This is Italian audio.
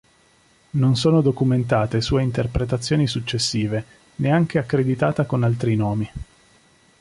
Non sono documentate sue interpretazioni successive, neanche accreditata con altri nomi.